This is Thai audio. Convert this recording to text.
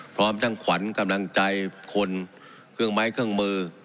พร้อมทั้งขวัญกำลังใจคนเครื่องไม้เครื่องมือ